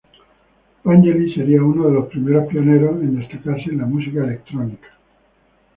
Vangelis sería uno de los primeros pioneros en destacarse en la música electrónica.